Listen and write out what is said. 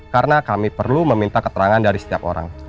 karena kami perlu meminta keterangan dari setiap orang